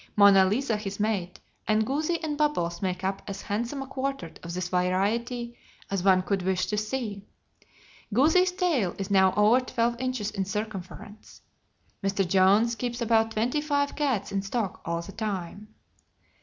Mona Liza, his mate, and Goozie and Bubbles make up as handsome a quartet of this variety as one could wish to see. Goozie's tail is now over twelve inches in circumference. Mr. Jones keeps about twenty fine cats in stock all the time.